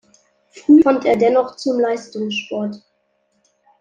Früh fand er dennoch zum Leistungssport.